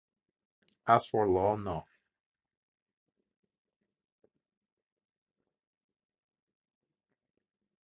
As for Law no.